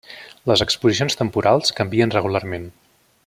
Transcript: Les exposicions temporals canvien regularment.